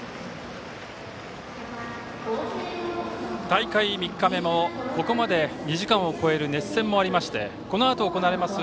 大会３日目もここまで２時間を超える熱戦もありましてこのあと行われます